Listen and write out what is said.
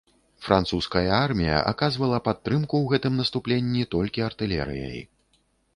Французская армія аказвала падтрымку ў гэтым наступленні толькі артылерыяй.